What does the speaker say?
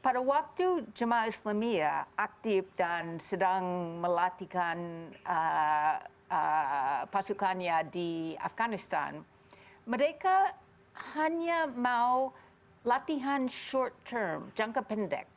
pada waktu the mas nomia aktif dan sedang melatihkan pasukannya di afganistan mereka hanya mau latihan short term jangka pendek